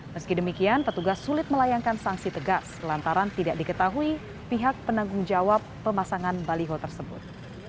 meski demikian petugas sulit melayangkan sanksi tegas lantaran tidak diketahui pihak penanggung jawab pemasangan baliho tersebut